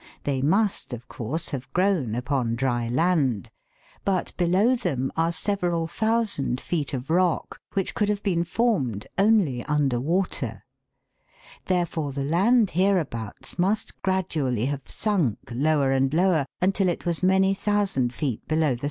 They must, of course, have grown upon dry land, but below them are several thousand feet of rock, which could have been formed only under water; therefore the land hereabouts must gradually have sunk lower and lower, until it was many thousand feet below the